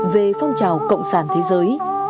về phong trào cộng sản thế giới